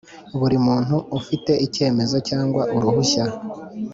Buri muntu ufite icyemezo cyangwa uruhushya